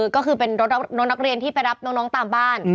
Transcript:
ก็คือเป็นรถรับน้องนักเรียนที่ไปรับน้องตามบ้าน